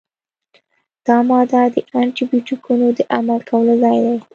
دا ماده د انټي بیوټیکونو د عمل کولو ځای دی.